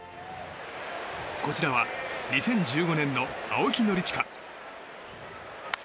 こちらは２０１５年の青木宣親。